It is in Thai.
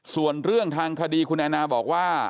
ส่วนเรื่องทางคดีคุณแอนนาบอกว่า